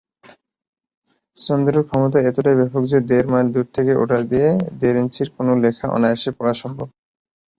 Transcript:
চন্দ্র’র ক্ষমতা এতটাই ব্যাপক যে, দেড় মাইল দূর থেকে ওটা দিয়ে দেড় ইঞ্চির কোনো লেখা অনায়াসে পড়া সম্ভব।